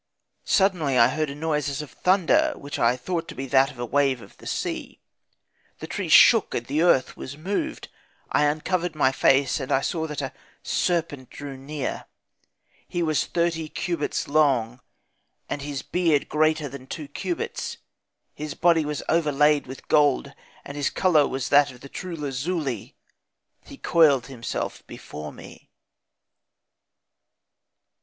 "Suddenly I heard a noise as of thunder, which I thought to be that of a wave of the sea. The trees shook, and the earth was moved. I uncovered my face, and I saw that a serpent drew near. He was thirty cubits long, and his beard greater than two cubits; his body was as overlayed with gold, and his colour as that of true lazuli. He coiled himself before me.